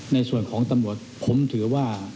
ในส่วนของตำรวจผมถือว่า